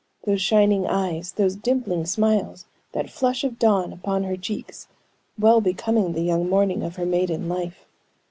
Those shining eyes, those dimpling smiles, that flush of dawn upon her cheeks, well becoming the young morning of her maiden life.